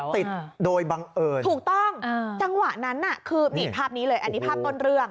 ติดโดยบังเอิญถูกต้องจังหวะนั้นน่ะคือนี่ภาพนี้เลยอันนี้ภาพต้นเรื่อง